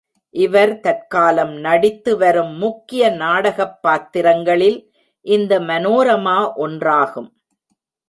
இவர் தற்காலம் நடித்து வரும் முக்கிய நாடகப் பாத்திரங்களில் இந்த மனோரமா ஒன்றாகும்.